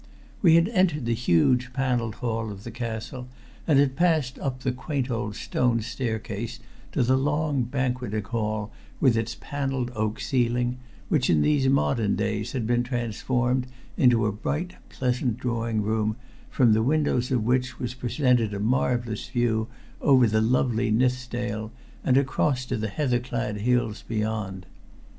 We had entered the huge paneled hall of the Castle, and had passed up the quaint old stone staircase to the long banqueting hall with its paneled oak ceiling, which in these modern days had been transformed into a bright, pleasant drawing room, from the windows of which was presented a marvelous view over the lovely Nithsdale and across to the heather clad hills beyond.